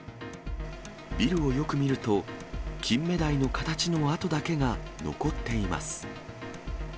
ビルをよく見ると、キンメダイの形の跡だけが残っています。